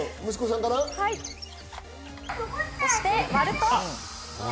そして割ると。